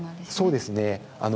そうですね。